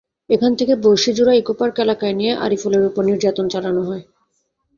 এখান থেকে বর্ষিজুরা ইকোপার্ক এলাকায় নিয়ে আরিফুলের ওপর নির্যাতন চালানো হয়।